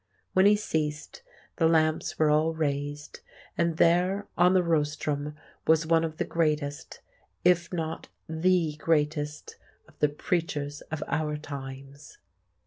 When he ceased, the lamps were all raised, and there on the rostrum was one of the greatest—if not the greatest—of the preachers of our times.